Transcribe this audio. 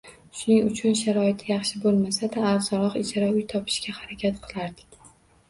Shuning uchun sharoiti yaxshi bo`lmasa-da arzonroq ijara uy topishga harakat qilardik